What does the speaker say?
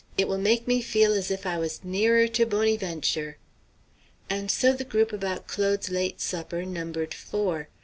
It will make me feel as if I was nearer to Bonnyventure." And so the group about Claude's late supper numbered four.